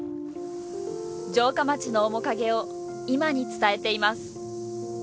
城下町の面影を今に伝えています。